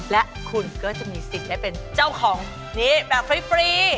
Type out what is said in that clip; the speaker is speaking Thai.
และคุณก็จะมีสิทธิ์ได้เป็นเจ้าของนี้แบบฟรี